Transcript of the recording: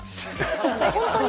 本当に？